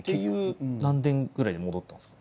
何年ぐらいで戻ったんですか？